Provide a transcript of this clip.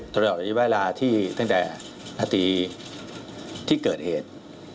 ตลอดระยะเวลาที่ตั้งแต่นาทีที่เกิดเหตุ